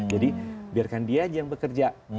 jadi biarkan dia aja yang bekerja